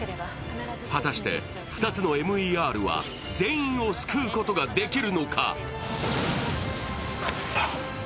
果たして２つのＭＥＲは全員を救うことができるのか。